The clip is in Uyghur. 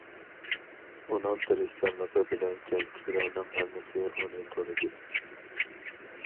ئۇنىڭ تىرىشچانلىقى بىلەن كەنتتىكىلەرنىڭ ھەممىسى ئۇنى تونۇدى.